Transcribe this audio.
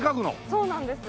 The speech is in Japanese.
そうなんです。